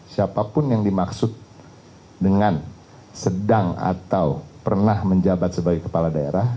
siapapun yang dimaksud dengan sedang atau pernah menjabat sebagai kepala daerah